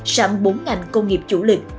sang bốn ngành công nghiệp chủ lực